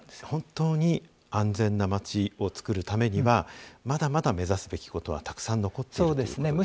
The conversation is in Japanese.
本当に安全な街を作るためにはまだまだ目指すべきことはたくさん残ってるんですね。